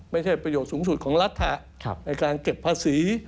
ไม่ใช่ประโยชน์สูงสุดของรัฐในการเก็บภาษี